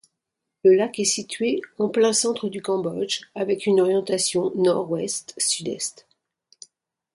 Le lac est situé en plein centre du Cambodge, avec une orientation nord-ouest sud-est.